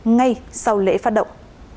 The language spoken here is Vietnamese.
ngay sau lễ phát động